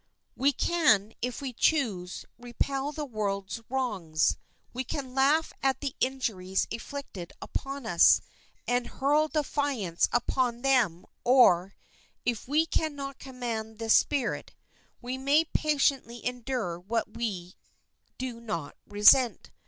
We can, if we choose, repel the world's wrongs. We can laugh at the injuries inflicted upon us, and hurl defiance upon them; or, if we can not command this spirit, we may patiently endure what we do not resent.